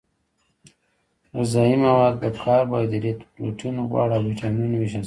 غذايي مواد په کاربوهایدریت پروټین غوړ او ویټامینونو ویشل شوي دي